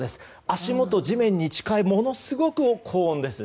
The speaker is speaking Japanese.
足元、地面に近いとものすごく高温です。